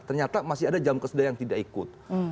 ternyata masih ada jam kesedah yang tidak ikut